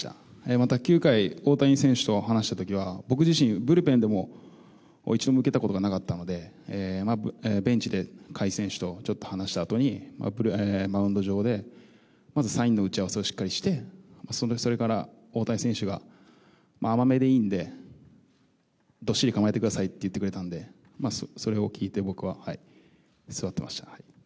また９回、大谷選手と話したときは、僕自身、ブルペンでも一度も受けたことがなかったので、ベンチで甲斐選手とちょっと話したあとに、マウンド上でまずサインの打ち合わせをしっかりして、それから大谷選手が、甘めでいいんで、どっしり構えてくださいって言ってくれたんで、それを聞いて、分かりました。